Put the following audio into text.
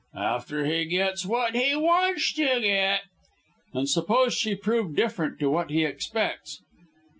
"After he gets what he wantsh to get." "And suppose she prove different to what he expects?"